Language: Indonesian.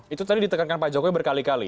itu tadi ditekankan pak jokowi berkali kali